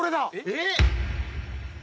えっ！